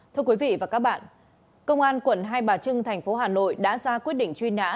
thưa quý vị và các bạn công an quận hai bà trưng thành phố hà nội đã ra quyết định truy nã